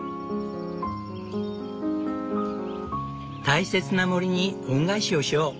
大切な森に恩返しをしよう。